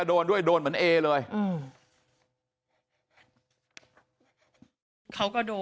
โดนทั้งหมดเยอะอ้าว